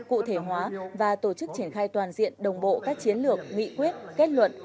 cụ thể hóa và tổ chức triển khai toàn diện đồng bộ các chiến lược nghị quyết kết luận